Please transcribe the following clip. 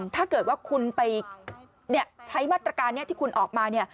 ถ้าเกิดว่าคุณไปใช้มาตรการนี้ที่คุณออกมาเนี่ย